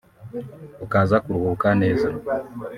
ukaza kuruhuka neza